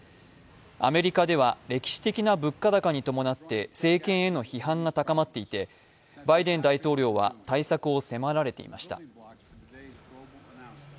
アメリカでは歴史的な物価高に伴って政権への批判が高まっていてバイデン大統領は対策を迫られていました。